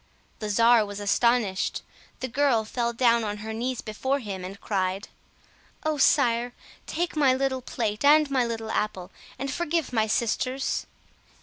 The czar was astonished. The girl fell down on her knees before him, and cried— "Oh, Sire, take my little plate and my little apple, and forgive my sisters!"